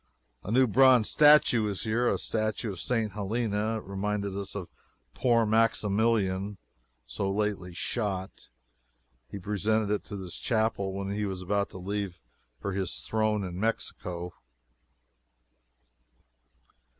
A new bronze statue is here a statue of St. Helena. It reminded us of poor Maximilian, so lately shot. He presented it to this chapel when he was about to leave for his throne in Mexico.